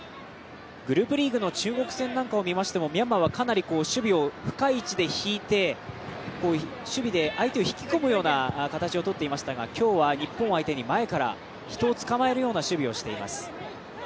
グループリーグの中国戦なんかを見ましてもミャンマーは、かなり守備を深い位置で敷いて守備で相手を引き込むような形を取っていましたが今日は日本相手に前から人を捕まえるような守備をしています。